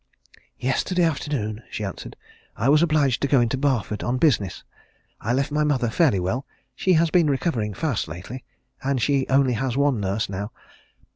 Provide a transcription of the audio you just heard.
"Yesterday afternoon," she answered, "I was obliged to go into Barford, on business. I left my mother fairly well she has been recovering fast lately, and she only has one nurse now.